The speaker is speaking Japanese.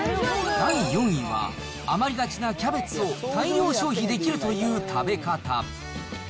第４位は、余りがちなキャベツを大量消費できるという食べ方。